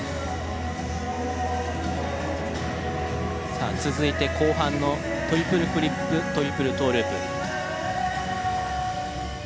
さあ続いて後半のトリプルフリップトリプルトーループ。